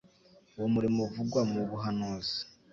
Uwo murimo uvugwa mu buhanuzi.